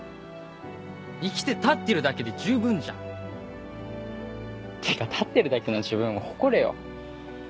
生きて立ってるだけで十分じゃん。ってか立ってるだけの自分を誇れよ。